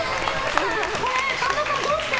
神田さん、どうして？